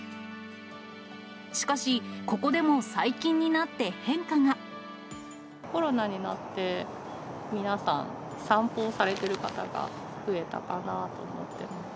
しかし、コロナになって、皆さん、散歩されている方が増えたかなと思ってます。